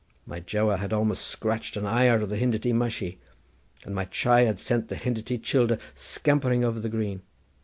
My juwa had almost scratched an eye out of the Hindity mushi, and my chai had sent the Hindity childer scampering over the green.